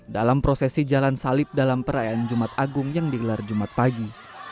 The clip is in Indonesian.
dalam prosesi jalan salib dalam perayaan jumat agung yang digelar jumat pagi